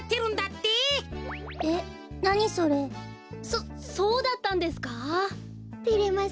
そそうだったんですか！？